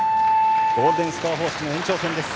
ゴールデンスコア方式の延長戦です。